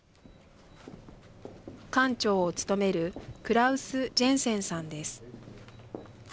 館長を務めるクラウス・ジェンセンさんです。